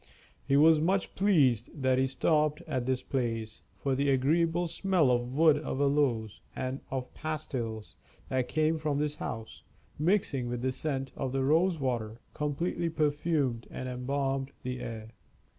He was much pleased that he stopped at this place; for the agreeable smell of wood of aloes and of pastils that came from the house, mixing with the scent of the rose water, completely perfumed and embalmed the air.